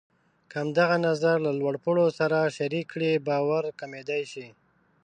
که همدغه نظر له لوړ پوړو سره شریک کړئ، باور کمېدای شي.